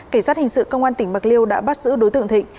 cảnh sát hình sự công an tỉnh bạc liêu đã bắt giữ đối tượng thịnh